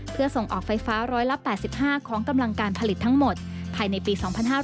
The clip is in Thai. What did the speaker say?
เพื่อส่งออกไฟฟ้า๑๘๕ของกำลังการผลิตทั้งหมดภายในปี๒๕๕๙